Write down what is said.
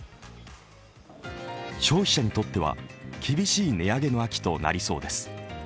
消費者にとっては厳しい値上げの秋となりそうです。